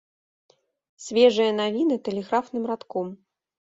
Свежыя навіны тэлеграфным радком.